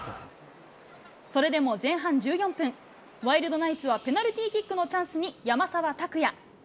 それでも前半１４分、ワイルドナイツは、ペナルティーキックのチャンスに山沢拓也。